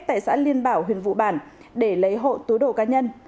tại xã liên bảo huyện vũ bản để lấy hộ túi đổ cá nhân